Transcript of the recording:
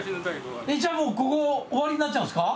じゃあもうここ終わりになっちゃうんですか？